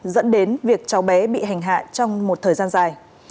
dẫn đến việc cháu bé bị hành hạ trong một thời gian dài